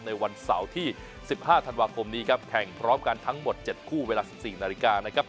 ในวันเสาร์ที่๑๕ธันวาคมนี้ครับแข่งพร้อมกันทั้งหมด๗คู่เวลา๑๔นาฬิกานะครับ